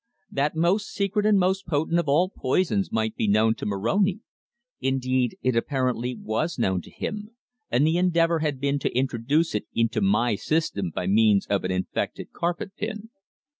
That most secret and most potent of all poisons might be known to Moroni! Indeed, it apparently was known to him, and the endeavour had been to introduce it into my system by means of an infected carpet pin.